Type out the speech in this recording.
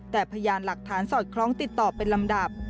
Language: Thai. แต่พยานหลักฐานสอดคล้องติดต่อเป็นลำดับ